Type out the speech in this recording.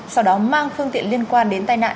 sau đó mang phương tiện liên quan đến tai nạn